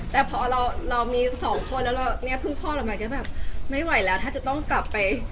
แต่เพราะเรามี๒คนแล้วเพื่อนข้อมาก็แบบไม่ไหวละถ้าจะต้องกลับไป